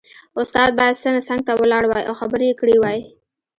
استاد باید څنګ ته ولاړ وای او خبرې یې کړې وای